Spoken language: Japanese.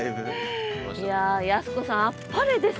いや康子さんあっぱれです。